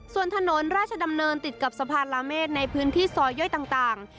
ส่วนถนนราชดำเนินติดกับสะพานลาเมฆในพื้นที่ซอยย่อยต่าง